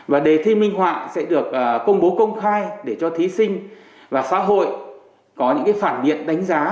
và đề thi minh họa sẽ được công bố công khai để cho thí sinh và xã hội có những phản biện đánh giá